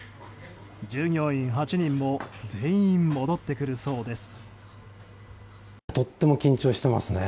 従業員８人も全員戻ってくるそうです。